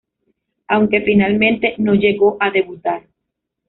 Aunque finalmente no llegó a debutar.